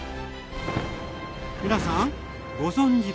皆さんご存じでしたか？